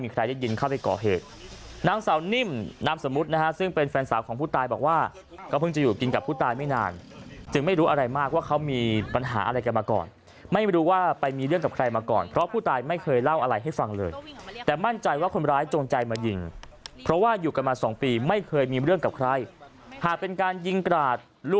ใครได้ยินเข้าไปก่อเหตุนางสาวนิ่มนามสมมุตินะฮะซึ่งเป็นแฟนสาวของผู้ตายบอกว่าก็เพิ่งจะอยู่กินกับผู้ตายไม่นานจึงไม่รู้อะไรมากว่าเขามีปัญหาอะไรกันมาก่อนไม่รู้ว่าไปมีเรื่องกับใครมาก่อนเพราะผู้ตายไม่เคยเล่าอะไรให้ฟังเลยแต่มั่นใจว่าคนร้ายจงใจมายิงเพราะว่าอยู่กันมาสองปีไม่เคยมีเรื่องกับใครหากเป็นการยิงกราดล